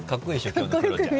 今日のクロちゃん。